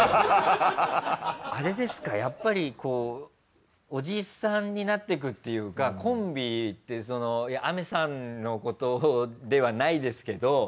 あれですかやっぱりこうおじさんになっていくっていうかコンビってその雨さんのことではないですけど。